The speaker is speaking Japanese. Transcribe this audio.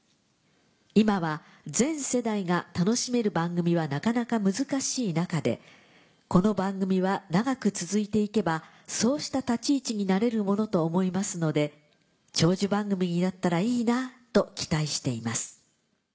今は全世代が楽しめる番組はなかなか難しい中でこの番組は長く続いて行けばそうした立ち位置になれるものと思いますので長寿番組になったらいいなと期待しています」。